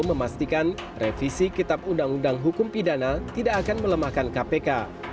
memastikan revisi kitab undang undang hukum pidana tidak akan melemahkan kpk